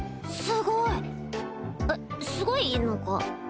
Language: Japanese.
すごい！えっすごいのか？